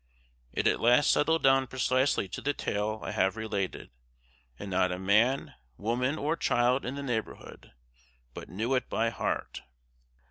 It at last settled down precisely to the tale I have related, and not a man, woman, or child in the neighborhood, but knew it by heart.